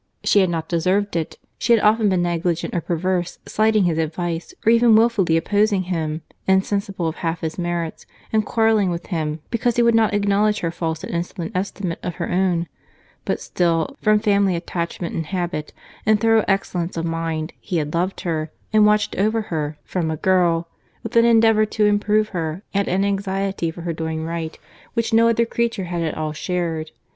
She had not deserved it; she had often been negligent or perverse, slighting his advice, or even wilfully opposing him, insensible of half his merits, and quarrelling with him because he would not acknowledge her false and insolent estimate of her own—but still, from family attachment and habit, and thorough excellence of mind, he had loved her, and watched over her from a girl, with an endeavour to improve her, and an anxiety for her doing right, which no other creature had at all shared.